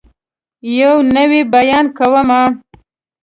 يو نوی بيان کومه